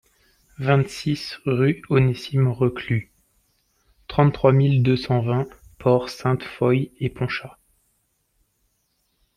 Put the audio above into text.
vingt-six rue Onésime Reclus, trente-trois mille deux cent vingt Port-Sainte-Foy-et-Ponchapt